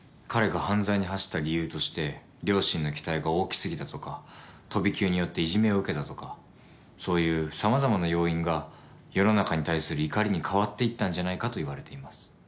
彼が犯罪に走った理由として両親の期待が大き過ぎたとか飛び級によっていじめを受けたとかそういう様々な要因が世の中に対する怒りに変わっていったんじゃないかといわれています。